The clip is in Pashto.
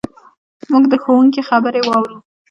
موږ د ښوونکي خبرې واورو.